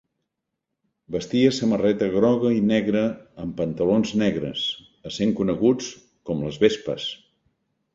Vestia samarreta groga i negra amb pantalons negres, essent coneguts com les vespes.